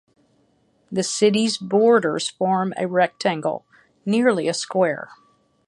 The city's borders form a rectangle, nearly a square.